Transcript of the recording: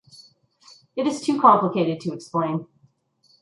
It is too complicated to explain.